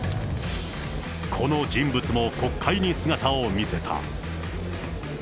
この人物も国会に姿を見せた。